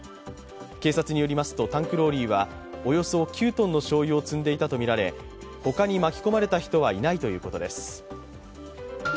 警察によりますとタンクローリーはおよそ９ｔのしょうゆを積んでいたとみられほかに巻き込まれた人はいないということです。